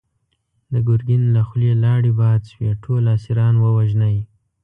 د ګرګين له خولې لاړې باد شوې! ټول اسيران ووژنی!